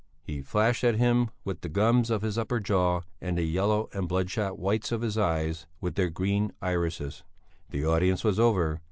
He flashed at him with the gums of his upper jaw and the yellow and bloodshot whites of his eyes with their green irises. The audience was over.